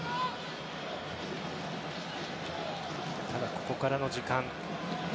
ただ、ここからの時間。